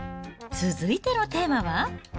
続いてのテーマは？